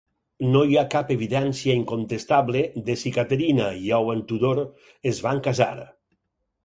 No hi ha cap evidència incontestable de si Caterina i Owen Tudor es van casar.